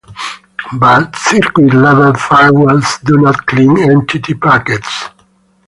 But circuit-level firewalls do not clean entity packets.